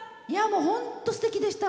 本当、すてきでした。